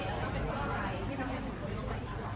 มันเป็นภาษาไทยก็ไม่ได้จัดการ